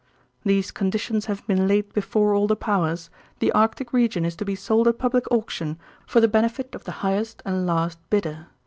"These conditions having been laid before all the powers, the Arctic region is to be sold at public auction for the benefit of the highest and last bidder.